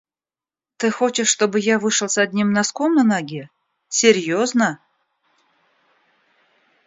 Ты хочешь, чтобы я вышел с одним носком на ноге? Серьёзно?